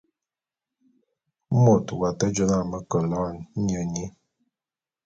Môt w'ake jô na me ke loene nye nyi.